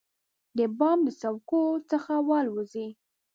د بام د څوکو څخه والوزي،